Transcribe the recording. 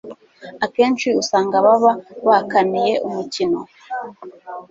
akenshi usanga baba bakaniye umukino